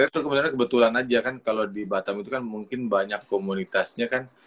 terus kemudian kebetulan aja kan kalau di batam itu kan mungkin banyak komunitasnya kan